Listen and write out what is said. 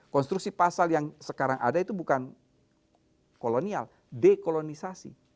konstruksi pasal yang sekarang ada itu bukan kolonial dekolonisasi